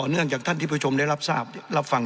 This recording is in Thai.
เนื่องจากท่านที่ผู้ชมได้รับทราบรับฟัง